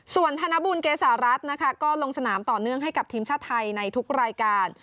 ส่วนธนบุญเกษารัฐนะคะก็ลงสนามต่อเนื่องให้กับทีมชาติไทยในทุกรายการ